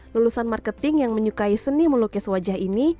lulusan marketing yang menyukai seni melukis wajah ini